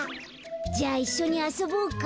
じゃあいっしょにあそぼうか。